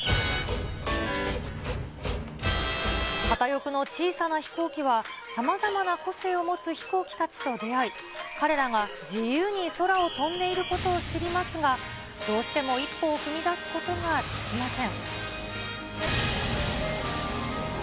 片翼の小さな飛行機は、さまざまな個性を持つ飛行機たちと出会い、彼らが自由に空を飛んでいることを知りますが、どうしても一歩を踏み出すことができません。